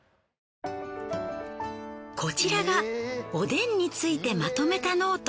こちらがおでんについてまとめたノート。